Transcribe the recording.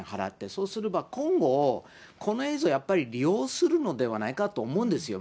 そうすれば今後、この映像、やっぱり利用するのではないかと思うんですよ。